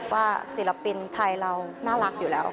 ศิลปินไทยเราน่ารักอยู่แล้ว